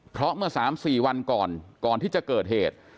เพราะเมื่อ๓๔วันก่อนก่อนที่จะเกิดเหตุ